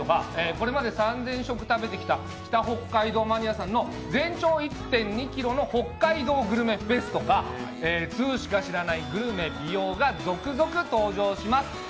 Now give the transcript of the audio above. これまで３０００食、食べてきた北北海道マニアさんの全長１．２ｋｍの北海道グルメフェスとか、通しか知らないグルメ、美容が続々登場します。